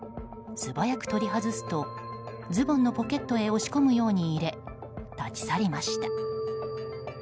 素早く取り外すとズボンのポケットへ押し込むように入れ立ち去りました。